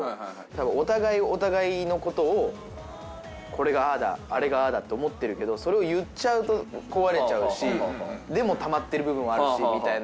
たぶんお互いお互いのことをこれがああだあれがああだと思ってるけどそれを言っちゃうと壊れちゃうしでもたまってる部分はあるしみたいなので。